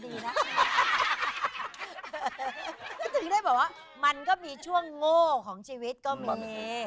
ถึงได้แบบว่ามันก็มีช่วงโง่ของชีวิตก็มี